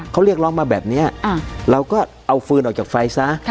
เขาเรียกร้องมาแบบนี้เราก็เอาฟืนออกจากไฟซะ